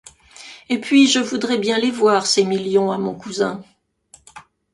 Et puis, je voudrais bien les voir ses millions, à mon cousin.